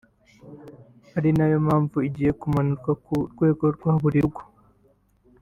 ari nayo mpamvu igiye kumanurwa ku rwego rwa buri rugo